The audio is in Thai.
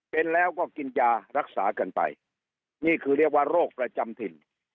เป็นแล้วก็กินยารักษากันไปนี่คือเรียกว่าโรคประจำถิ่น